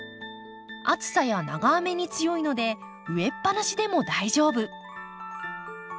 暑さや長雨に強いので植えっぱなしでも大丈夫。